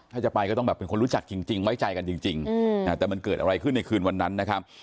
ถ้าจะไปก็ต้องแบบเป็นคนรู้จักจริงไว้ใจกันจริงแต่มันเกิดอะไรขึ้นในคืนวันนั้นนะครับ